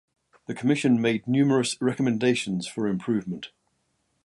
The Commission made numerous recommendations for improvement.